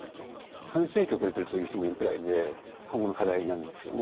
半世紀遅れてると言う人もいるくらいで今後の課題なんですよね